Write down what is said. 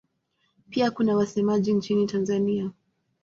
Pia kuna wasemaji nchini Tanzania.